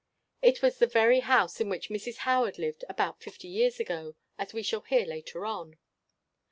It was the very house in which Mrs. Howard lived about fifty years ago, as we shall hear later on.